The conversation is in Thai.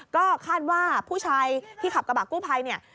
ก็คาดว่าผู้ชายที่ขับกระบักกู้ไพร